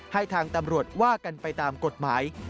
ทางตำรวจว่ากันไปตามกฎหมาย